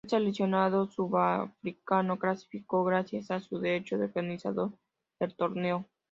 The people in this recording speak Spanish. El seleccionado sudafricano clasificó gracias a su derecho de organizador del torneo.